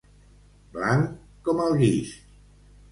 Blanc com el guix.